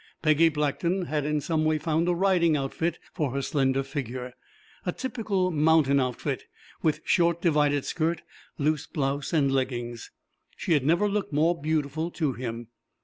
Peggy Blackton had in some way found a riding outfit for her slender figure, a typical mountain outfit, with short divided skirt, loose blouse, and leggings. She had never looked more beautiful to him.